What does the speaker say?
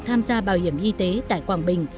tham gia bảo hiểm y tế tại quảng bình